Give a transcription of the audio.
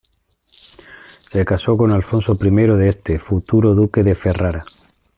Se casó con Alfonso I de Este, futuro Duque de Ferrara.